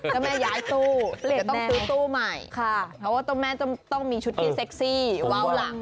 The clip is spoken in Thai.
เจ้าแม่ย้ายตู้แต่ต้องซื้อตู้ใหม่ค่ะเพราะว่าตัวแม่จะต้องมีชุดกินเซ็กซี่ว้าวล่ะ